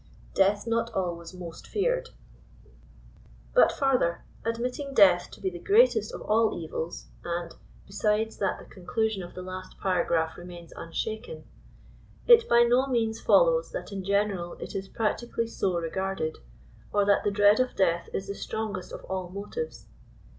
DEATH NOT ALWAYS MOST FEARED. But farther. Admitting death to be t^e greatest of all evils, and — besides that the conclusion of the last paragraph remains unshaken — it by no means follows that in general it is prac tically so regarded, or that the dread of death is the strongest of all motives.